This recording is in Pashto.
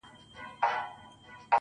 د قبر ته څو پېغلو څو زلميو ماښام~